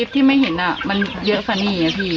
คลิปที่ไม่เห็นอ่ะมันเยอะฟันนี่อ่ะพี่